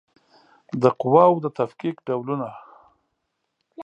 د قواوو د تفکیک ډولونه